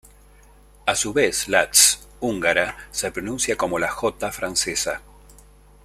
A su vez, la "zs" húngara se pronuncia como la "j" francesa.